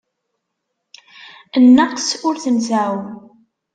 Nneqs ur t-nseεεu.